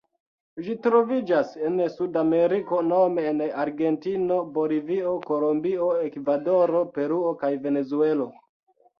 Ĝi troviĝas en Sudameriko nome en Argentino, Bolivio, Kolombio, Ekvadoro, Peruo kaj Venezuelo.